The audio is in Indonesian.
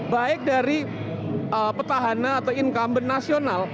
baik dari petahana atau income benasional